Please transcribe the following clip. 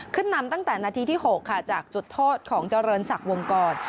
ขึ้นนำตั้งแต่นาทีที่๖ค่ะจากจุดโทษของเจริญศักดิ์วงกร